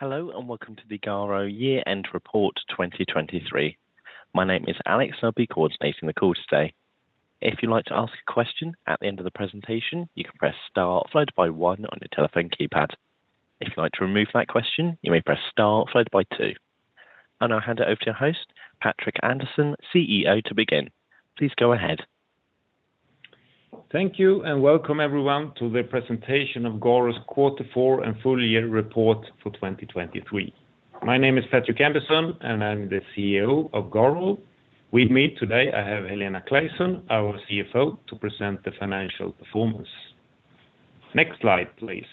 Hello and welcome to the GARO Year-End Report 2023. My name is Alex and I'll be coordinating the call today. If you'd like to ask a question at the end of the presentation, you can press Start followed by one on your telephone keypad. If you'd like to remove that question, you may press Start followed by two. I'll hand it over to your host, Patrik Andersson, CEO, to begin. Please go ahead. Thank you and welcome everyone to the presentation of GARO's Quarter 4 and Full Year Report for 2023. My name is Patrik Andersson and I'm the CEO of GARO. With me today I have Helena Claesson, our CFO, to present the financial performance. Next slide, please.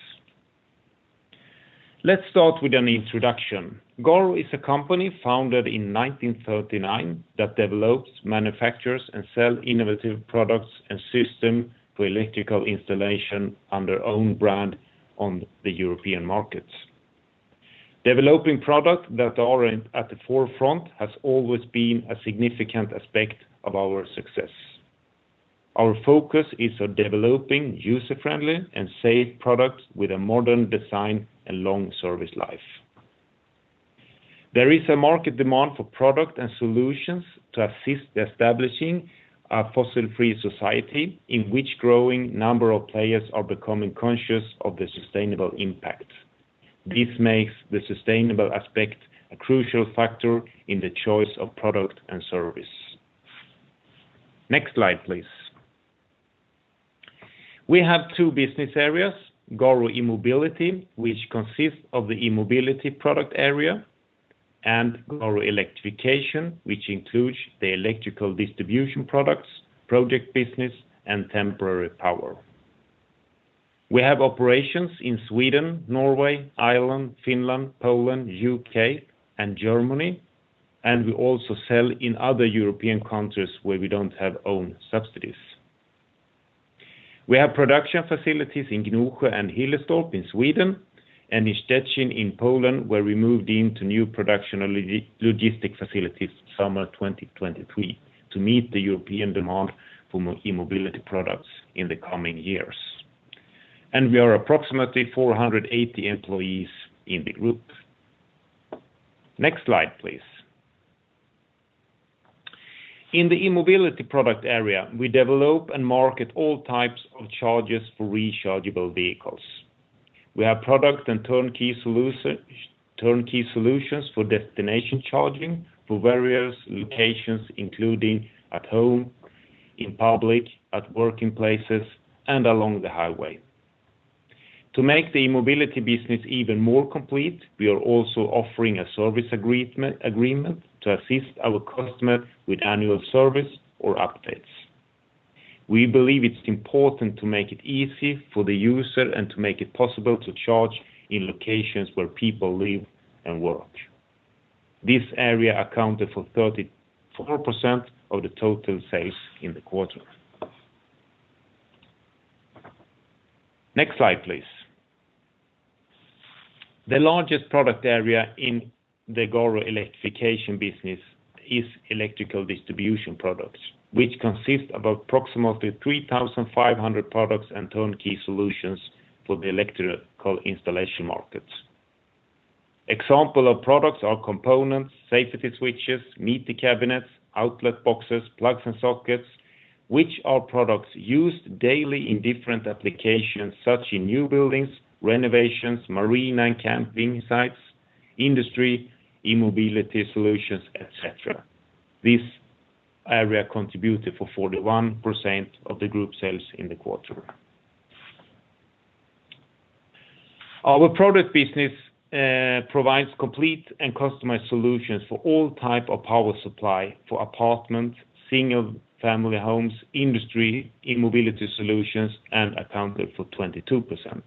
Let's start with an introduction. GARO is a company founded in 1939 that develops, manufactures, and sells innovative products and systems for electrical installation under its own brand on the European markets. Developing products that are at the forefront has always been a significant aspect of our success. Our focus is on developing user-friendly and safe products with a modern design and long service life. There is a market demand for products and solutions to assist in establishing a fossil-free society in which a growing number of players are becoming conscious of the sustainable impact. This makes the sustainable aspect a crucial factor in the choice of products and services. Next slide, please. We have two business areas: GARO E-Mobility, which consists of the e-mobility product area, and GARO Electrification, which includes the electrical distribution products, project business, and temporary power. We have operations in Sweden, Norway, Ireland, Finland, Poland, the U.K., and Germany, and we also sell in other European countries where we don't have own subsidiaries. We have production facilities in Gnosjö and Hillerstorp in Sweden and in Szczecin in Poland, where we moved into new production and logistics facilities in summer 2023 to meet the European demand for e-mobility products in the coming years. And we are approximately 480 employees in the group. Next slide, please. In the e-mobility product area, we develop and market all types of chargers for rechargeable vehicles. We have products and turnkey solutions for destination charging for various locations, including at home, in public, at working places, and along the highway. To make the e-mobility business even more complete, we are also offering a service agreement to assist our customers with annual service or updates. We believe it's important to make it easy for the user and to make it possible to charge in locations where people live and work. This area accounted for 34% of the total sales in the quarter. Next slide, please. The largest product area in the GARO Electrification business is electrical distribution products, which consist of approximately 3,500 products and turnkey solutions for the electrical installation markets. Examples of products are components, safety switches, meter cabinets, outlet boxes, plugs, and sockets, which are products used daily in different applications such as in new buildings, renovations, marina and camping sites, industry, e-mobility solutions, etc. This area contributed to 41% of the group sales in the quarter. Our product business provides complete and customized solutions for all types of power supply for apartments, single-family homes, industry, e-mobility solutions, and accounted for 22%.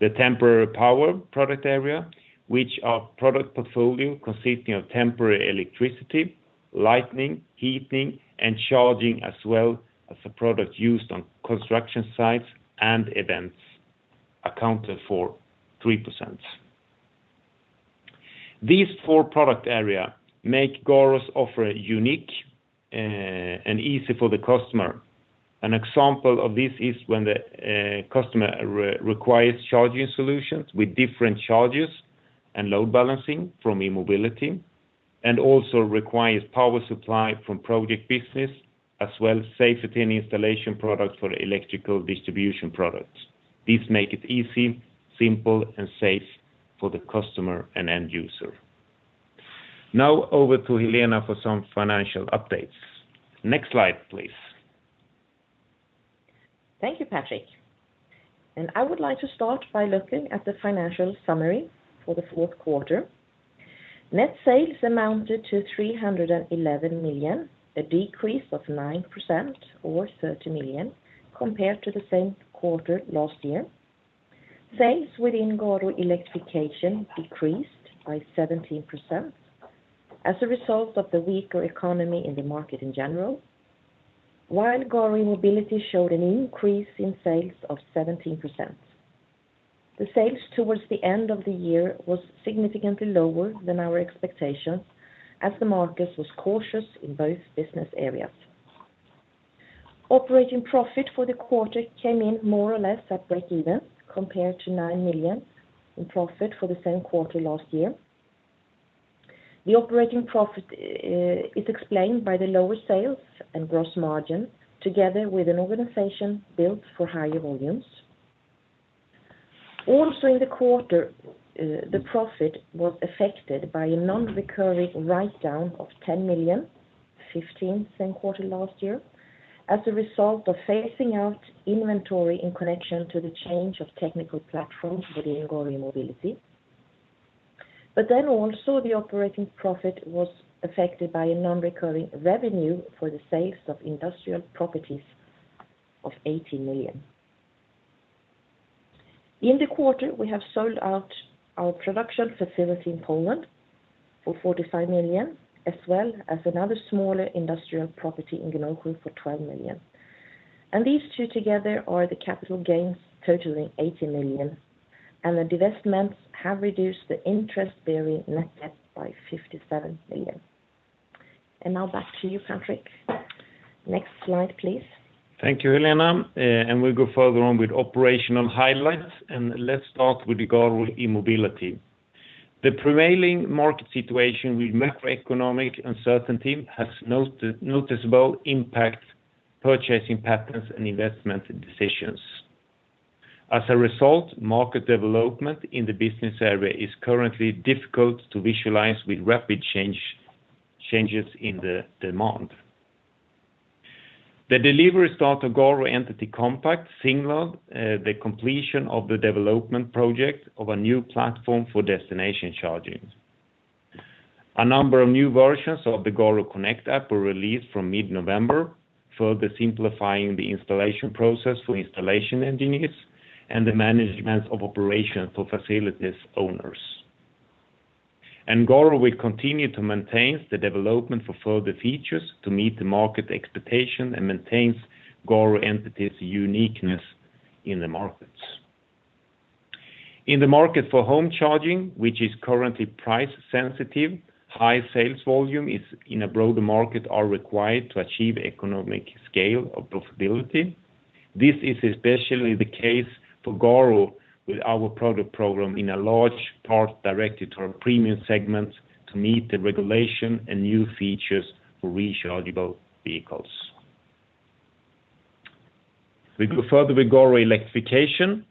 The temporary power product area, which is our product portfolio consisting of temporary electricity, lighting, heating, and charging as well as the products used on construction sites and events, accounted for 3%. These four product areas make GARO's offer unique and easy for the customer. An example of this is when the customer requires charging solutions with different chargers and load balancing from e-mobility and also requires power supply from project business as well as safety and installation products for electrical distribution products. This makes it easy, simple, and safe for the customer and end user. Now over to Helena for some financial updates. Next slide, please. Thank you, Patrik. I would like to start by looking at the financial summary for the fourth quarter. Net sales amounted to 311 million, a decrease of 9% or 30 million compared to the same quarter last year. Sales within GARO Electrification decreased by 17% as a result of the weaker economy in the market in general, while GARO E-mobility showed an increase in sales of 17%. The sales towards the end of the year were significantly lower than our expectations as the market was cautious in both business areas. Operating profit for the quarter came in more or less at break-even compared to 9 million in profit for the same quarter last year. The operating profit is explained by the lower sales and gross margin together with an organization built for higher volumes. Also in the quarter, the profit was affected by a non-recurring write-down of 10 million in Q1 last year, as a result of phasing out inventory in connection to the change of technical platforms within GARO E-mobility. But then also the operating profit was affected by a non-recurring revenue for the sales of industrial properties of 18 million. In the quarter, we have sold out our production facility in Poland for 45 million as well as another smaller industrial property in Gnosjö for 12 million. And these two together are the capital gains totaling 80 million, and the investments have reduced the interest-bearing net debt by 57 million. And now back to you, Patrik. Next slide, please. Thank you, Helena. We'll go further on with operational highlights. Let's start with GARO E-Mobility. The prevailing market situation with macroeconomic uncertainty has noticeable impact on purchasing patterns and investment decisions. As a result, market development in the business area is currently difficult to visualize with rapid changes in the demand. The delivery start of GARO Entity Compact signaled the completion of the development project of a new platform for destination charging. A number of new versions of the GARO Connect app were released from mid-November, further simplifying the installation process for installation engineers and the management of operations for facilities owners. GARO will continue to maintain the development for further features to meet the market expectations and maintains GARO Entity's uniqueness in the markets. In the market for home charging, which is currently price-sensitive, high sales volumes in a broader market are required to achieve economic scale and profitability. This is especially the case for GARO with our product program in a large part directed toward premium segments to meet the regulation and new features for rechargeable vehicles. We go further with GARO Electrification.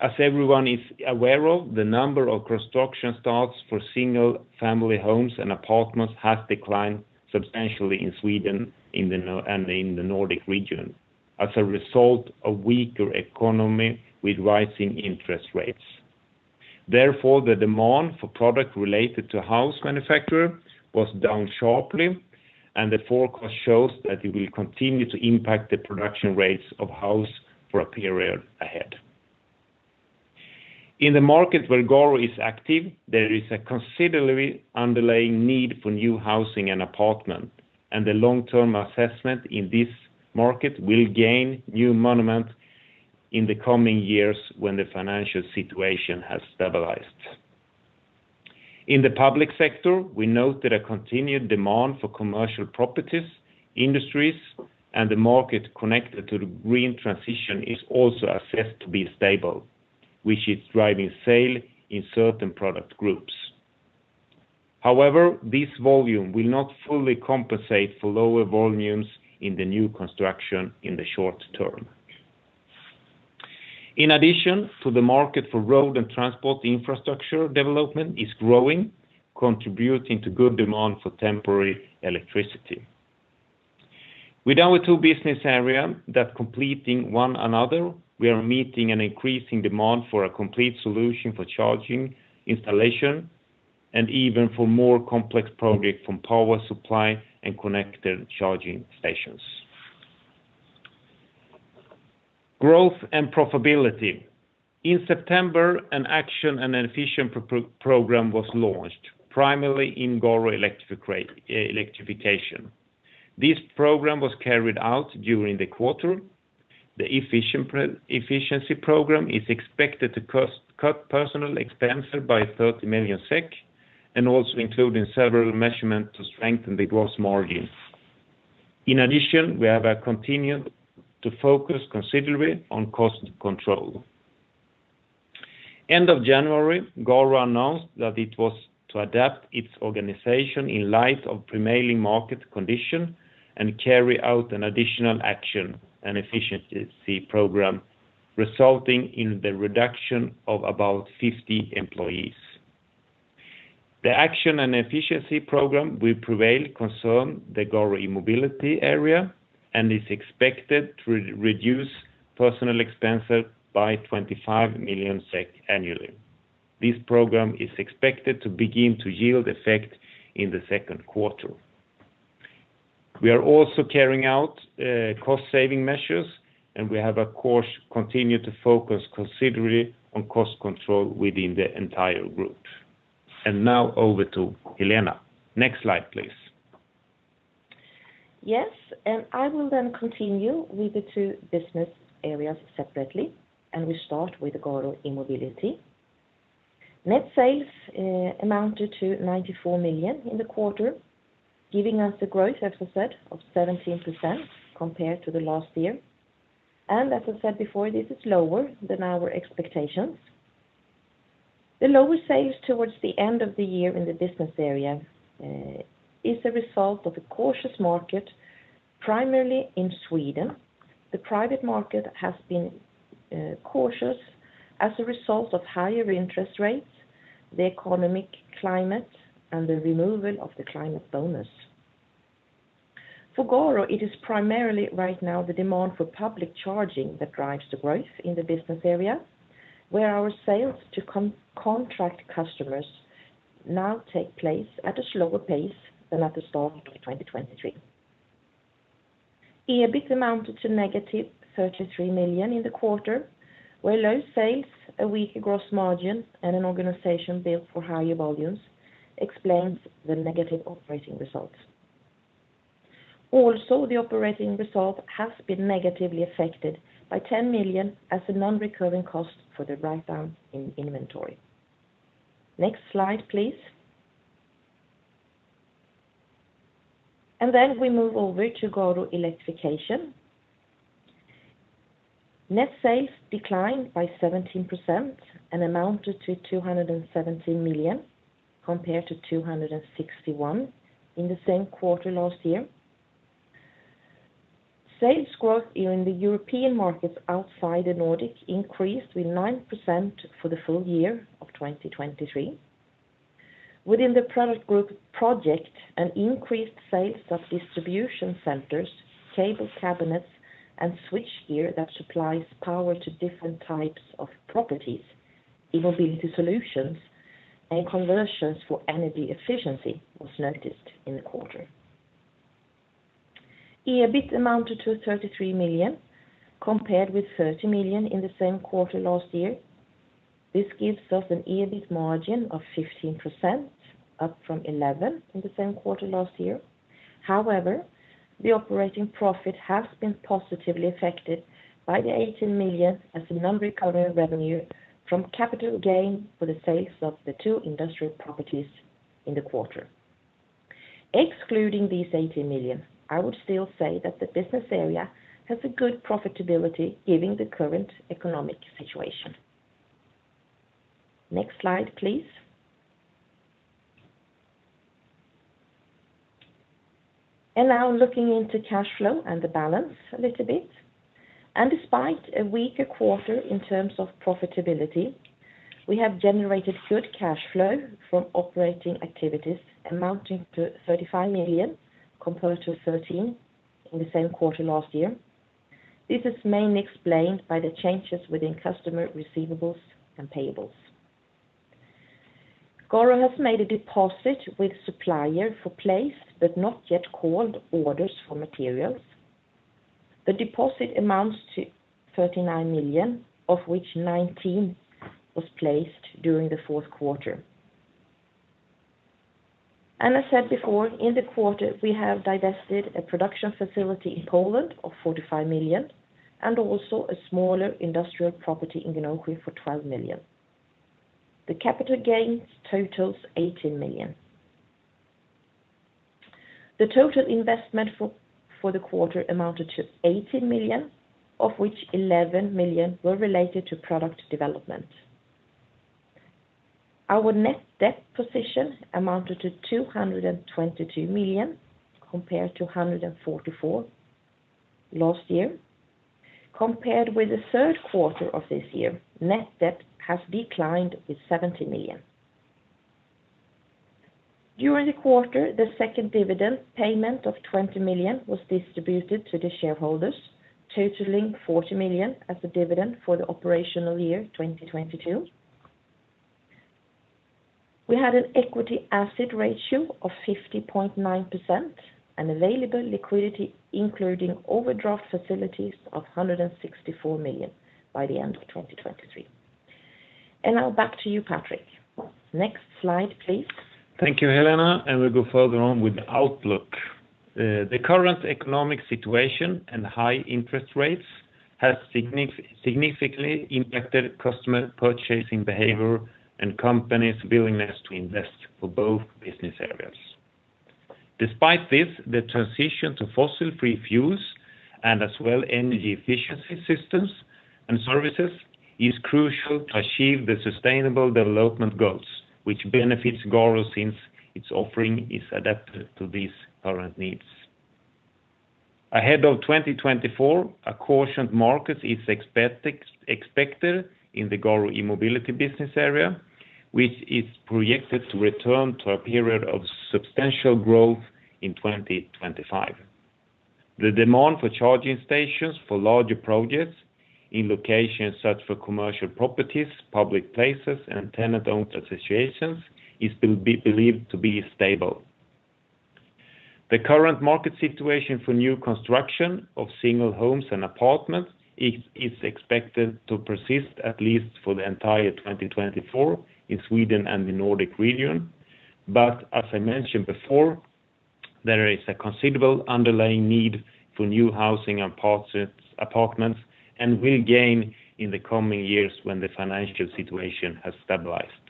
As everyone is aware of, the number of construction starts for single-family homes and apartments has declined substantially in Sweden and in the Nordic region as a result of a weaker economy with rising interest rates. Therefore, the demand for products related to house manufacturing was down sharply, and the forecast shows that it will continue to impact the production rates of houses for a period ahead. In the market where GARO is active, there is a considerable underlying need for new housing and apartments, and the long-term assessment in this market will gain new momentum in the coming years when the financial situation has stabilized. In the public sector, we note that a continued demand for commercial properties, industries, and the market connected to the green transition is also assessed to be stable, which is driving sales in certain product groups. However, this volume will not fully compensate for lower volumes in the new construction in the short term. In addition, the market for road and transport infrastructure development is growing, contributing to good demand for temporary electricity. With our two business areas completing one another, we are meeting an increasing demand for a complete solution for charging, installation, and even for more complex projects from power supply and connected charging stations. Growth and profitability. In September, an action and efficiency program was launched primarily in GARO Electrification. This program was carried out during the quarter. The efficiency program is expected to cut personnel expenses by 30 million SEK and also include several measures to strengthen the gross margin. In addition, we have continued to focus considerably on cost control. At the end of January, GARO announced that it was to adapt its organization in light of the prevailing market conditions and carry out an additional action and efficiency program resulting in the reduction of about 50 employees. The action and efficiency program will prevail concerning the GARO E-mobility area and is expected to reduce personnel expenses by 25 million SEK annually. This program is expected to begin to yield effect in the second quarter. We are also carrying out cost-saving measures, and we have continued to focus considerably on cost control within the entire group. And now over to Helena. Next slide, please. Yes. I will then continue with the two business areas separately, and we start with GARO E-Mobility. Net sales amounted to 94 million in the quarter, giving us a growth, as I said, of 17% compared to the last year. As I said before, this is lower than our expectations. The lower sales towards the end of the year in the business area is a result of a cautious market primarily in Sweden. The private market has been cautious as a result of higher interest rates, the economic climate, and the removal of the climate bonus. For GARO, it is primarily right now the demand for public charging that drives the growth in the business area, where our sales to contract customers now take place at a slower pace than at the start of 2023. EBIT amounted to - 33 million in the quarter, where low sales, a weaker gross margin, and an organization built for higher volumes explain the negative operating results. Also, the operating result has been negatively affected by 10 million as a non-recurring cost for the write-down in inventory. Next slide, please. And then we move over to GARO Electrification. Net sales declined by 17% and amounted to 217 million compared to 261 million in the same quarter last year. Sales growth in the European markets outside the Nordic increased with 9% for the full year of 2023. Within the product group project, an increased sale of distribution centers, cable cabinets, and switchgear that supplies power to different types of properties, E-mobility solutions, and conversions for energy efficiency was noticed in the quarter. EBIT amounted to 33 million compared with 30 million in the same quarter last year. This gives us an EBIT margin of 15%, up from 11% in the same quarter last year. However, the operating profit has been positively affected by the 18 million as a non-recurring revenue from capital gain for the sales of the two industrial properties in the quarter. Excluding these 18 million, I would still say that the business area has a good profitability given the current economic situation. Next slide, please. Now looking into cash flow and the balance a little bit. Despite a weaker quarter in terms of profitability, we have generated good cash flow from operating activities amounting to 35 million compared to 13% in the same quarter last year. This is mainly explained by the changes within customer receivables and payables. GARO has made a deposit with suppliers for placed but not yet called orders for materials. The deposit amounts to 39 million, of which 19% was placed during the fourth quarter. And as said before, in the quarter, we have divested a production facility in Poland of 45 million and also a smaller industrial property in Gnosjö for 12 million. The capital gains total 18 million. The total investment for the quarter amounted to 18 million, of which 11 million were related to product development. Our net debt position amounted to 222 million compared to 144 million last year. Compared with the third quarter of this year, net debt has declined with 70 million. During the quarter, the second dividend payment of 20 million was distributed to the shareholders, totaling 40 million as a dividend for the operational year 2022. We had an equity-asset ratio of 50.9% and available liquidity, including overdraft facilities, of 164 million by the end of 2023. And now back to you, Patrick. Next slide, please. Thank you, Helena. We'll go further on with Outlook. The current economic situation and high interest rates have significantly impacted customer purchasing behavior and companies' willingness to invest for both business areas. Despite this, the transition to fossil-free fuels and as well as energy efficiency systems and services is crucial to achieve the sustainable development goals, which benefits GARO since its offering is adapted to these current needs. Ahead of 2024, a cautioned market is expected in the GARO E-Mobility business area, which is projected to return to a period of substantial growth in 2025. The demand for charging stations for larger projects in locations such as commercial properties, public places, and tenant-owned associations is believed to be stable. The current market situation for new construction of single homes and apartments is expected to persist at least for the entire 2024 in Sweden and the Nordic region. But as I mentioned before, there is a considerable underlying need for new housing and apartments and will gain in the coming years when the financial situation has stabilized.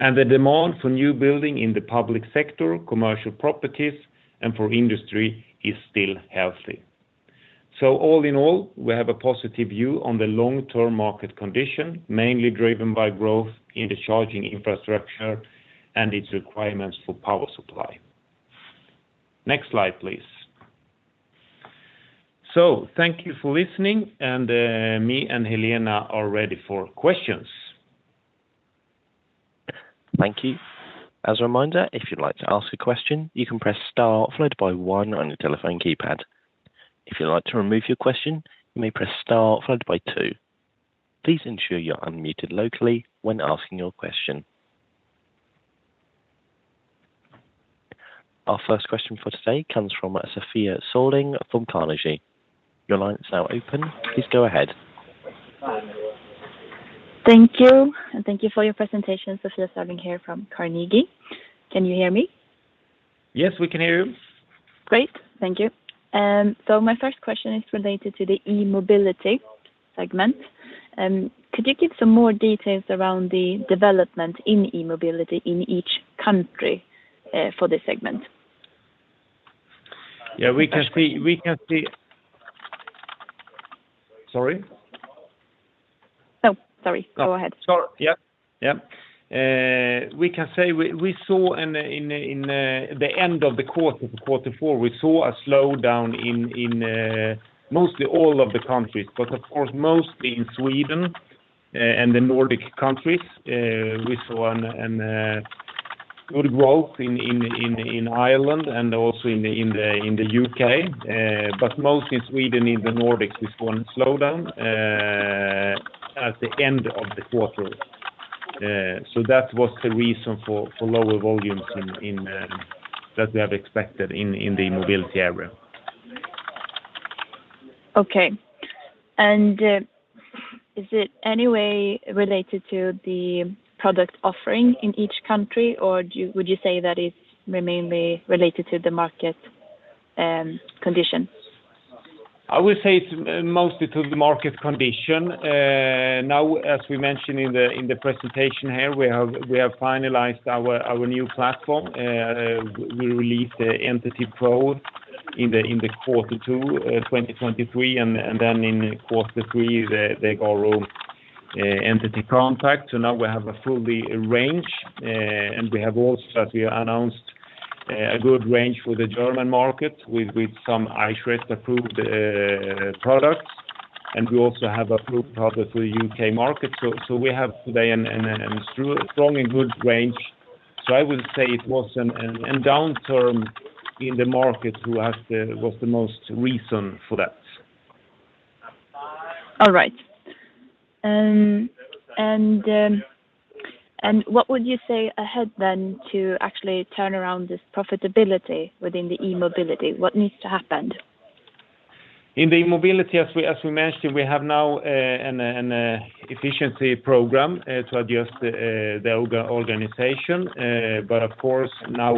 And the demand for new building in the public sector, commercial properties, and for industry is still healthy. So all in all, we have a positive view on the long-term market condition, mainly driven by growth in the charging infrastructure and its requirements for power supply. Next slide, please. So thank you for listening. And me and Helena are ready for questions. Thank you. As a reminder, if you'd like to ask a question, you can press star followed by one on your telephone keypad. If you'd like to remove your question, you may press star followed by two. Please ensure you're unmuted locally when asking your question. Our first question for today comes from Sofia Sörling from Carnegie. Your line is now open. Please go ahead. Thank you. Thank you for your presentation, Sofia. Serving here from Carnegie. Can you hear me? Yes, we can hear you. Great. Thank you. So my first question is related to the e-mobility segment. Could you give some more details around the development in e-mobility in each country for this segment? Yeah, we can see. Sorry? No, sorry. Go ahead. Yeah. Yeah. We can say we saw in the end of the quarter, quarter four, we saw a slowdown in mostly all of the countries, but of course, mostly in Sweden and the Nordic countries. We saw good growth in Ireland and also in the U.K. But mostly in Sweden, in the Nordics, we saw a slowdown at the end of the quarter. So that was the reason for lower volumes that we have expected in the mobility area. Okay. And is it in any way related to the product offering in each country, or would you say that it's mainly related to the market condition? I would say it's mostly to the market condition. Now, as we mentioned in the presentation here, we have finalized our new platform. We released the Entity Pro in quarter two 2023, and then in quarter three, the GARO Entity Compact. So now we have a full range, and we have also announced a good range for the German market with some Eichrecht-approved products. And we also have approved products for the U.K. market. So we have today a strong and good range. So I would say it wasn't an downturn in the market was the most reason for that. All right. And what would you say ahead then to actually turn around this profitability within the e-mobility? What needs to happen? In the e-mobility, as we mentioned, we have now an efficiency program to adjust the organization. But of course, now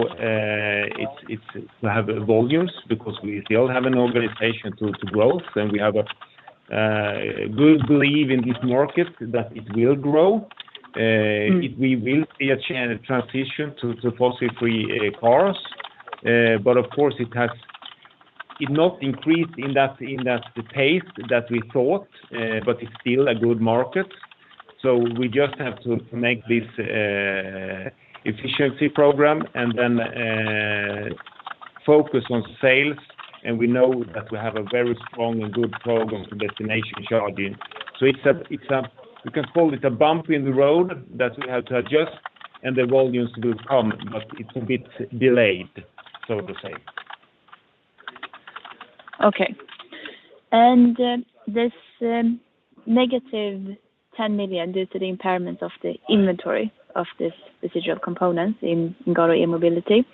it's to have volumes because we still have an organization to growth, and we have a good belief in this market that it will grow. We will see a transition to fossil-free cars. But of course, it has not increased in that pace that we thought, but it's still a good market. So we just have to make this efficiency program and then focus on sales. And we know that we have a very strong and good program for destination charging. So we can call it a bump in the road that we have to adjust, and the volumes will come, but it's a bit delayed, so to say. Okay. And this -10 million due to the impairment of the inventory of these residual components in GARO E-mobility,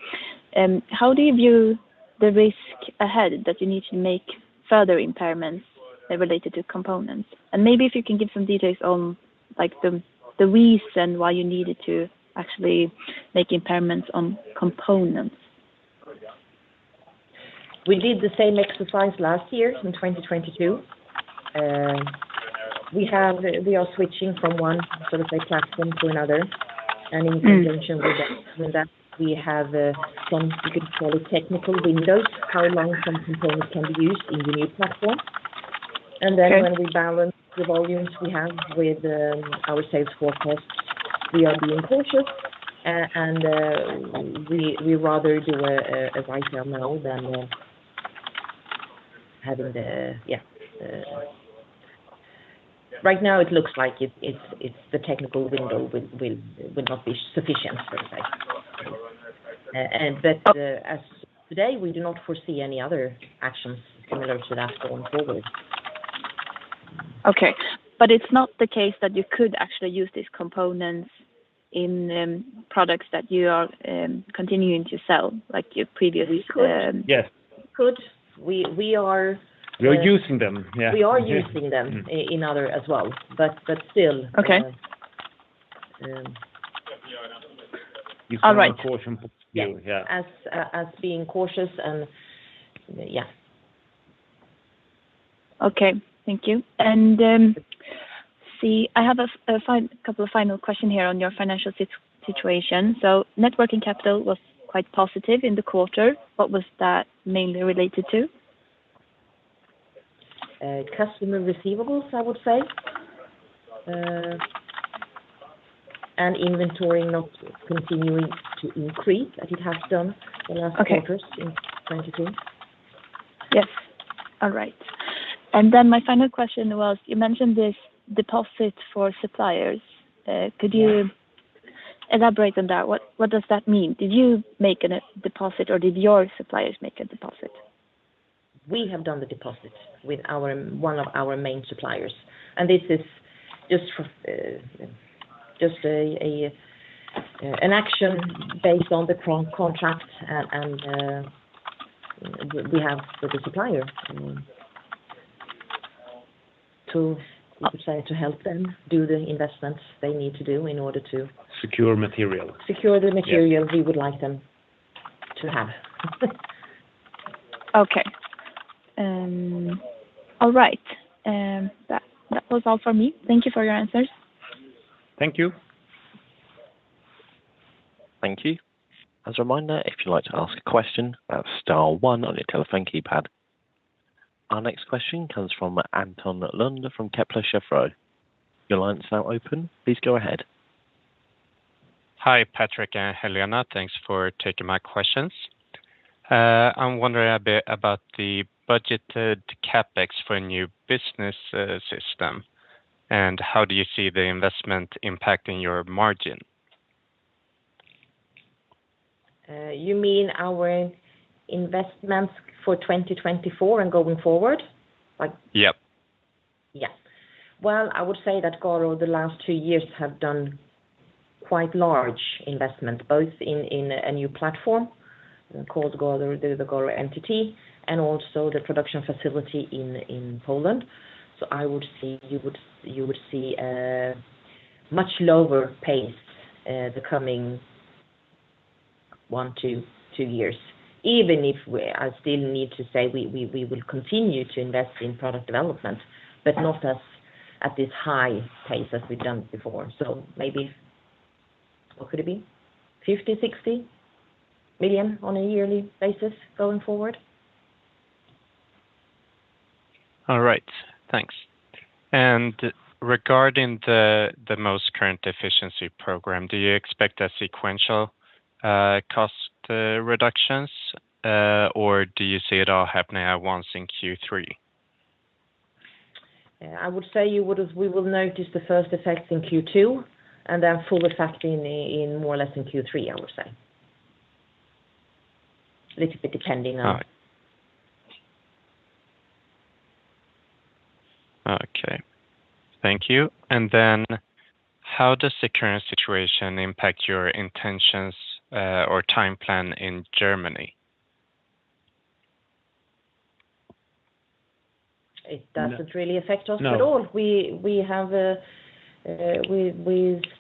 how do you view the risk ahead that you need to make further impairments related to components? And maybe if you can give some details on the reason why you needed to actually make impairments on components. We did the same exercise last year in 2022. We are switching from one, so to say, platform to another. And in conjunction with that, we have some, you could call it, technical windows, how long some components can be used in the new platform. And then when we balance the volumes we have with our sales forecasts, we are being cautious. And we rather do a write-down now than having the. Right now, it looks like the technical window will not be sufficient, so to say. But as of today, we do not foresee any other actions similar to that going forward. Okay. But it's not the case that you could actually use these components in products that you are continuing to sell like you previously? We could. Yes. We could. We are. We are using them. Yeah. We are using them in other as well. But still. Okay. All right. You said a caution point here. Yeah. Us being cautious and yeah. Okay. Thank you. And see, I have a couple of final questions here on your financial situation. So net working capital was quite positive in the quarter. What was that mainly related to? Customer receivables, I would say. Inventory not continuing to increase that it has done the last quarters in 2020. Yes. All right. And then my final question was, you mentioned this deposit for suppliers. Could you elaborate on that? What does that mean? Did you make a deposit, or did your suppliers make a deposit? We have done the deposit with one of our main suppliers. This is just an action based on the contract, and we have the supplier, you could say, to help them do the investments they need to do in order to. Secure material. Secure the material we would like them to have. Okay. All right. That was all for me. Thank you for your answers. Thank you. Thank you. As a reminder, if you'd like to ask a question, that's star one on your telephone keypad. Our next question comes from Anton Lund from Kepler Cheuvreux. Your line is now open. Please go ahead. Hi, Patrik and Helena. Thanks for taking my questions. I'm wondering a bit about the budgeted CapEx for a new business system, and how do you see the investment impacting your margin? You mean our investments for 2024 and going forward? Yep. Yeah. Well, I would say that GARO, the last two years, have done quite large investments, both in a new platform called the GARO Entity and also the production facility in Poland. So I would say you would see a much lower pace the coming one, two, two years, even if I still need to say we will continue to invest in product development, but not at this high pace as we've done before. So maybe what could it be? 50 million-60 million on a yearly basis going forward? All right. Thanks. Regarding the most current efficiency program, do you expect sequential cost reductions, or do you see it all happening at once in Q3? I would say we will notice the first effects in Q2 and then full effect in more or less in Q3, I would say. A little bit depending on. Okay. Thank you. Then how does the current situation impact your intentions or time plan in Germany? It doesn't really affect us at all. We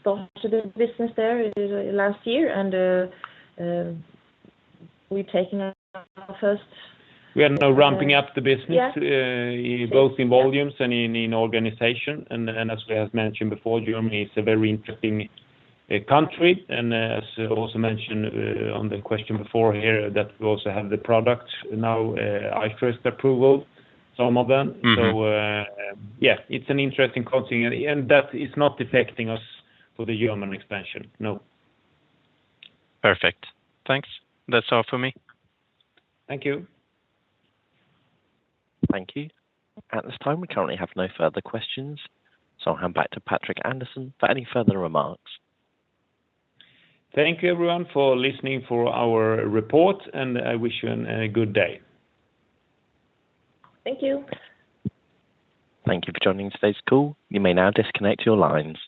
started the business there last year, and we're taking our first. We are now ramping up the business, both in volumes and in organization. As we have mentioned before, Germany is a very interesting country. And as also mentioned on the question before here, that we also have the product now, Eichrecht approval, some of them. So yeah, it's an interesting continuity. And that is not affecting us for the German expansion. No. Perfect. Thanks. That's all for me. Thank you. Thank you. At this time, we currently have no further questions. So I'll hand back to Patrik Andersson for any further remarks. Thank you, everyone, for listening for our report, and I wish you a good day. Thank you. Thank you for joining today's call. You may now disconnect your lines.